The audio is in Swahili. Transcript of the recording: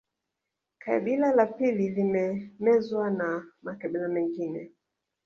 Kabila la pili limemezwa na makabila mengine